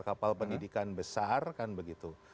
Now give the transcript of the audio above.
kapal pendidikan besar kan begitu